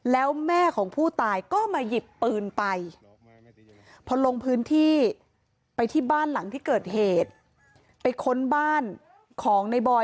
แล้วแม่ของผู้ตายก็มาหยิบปืนไป